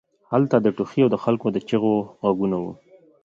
هلته د ټوخي او د خلکو د چیغو غږونه وو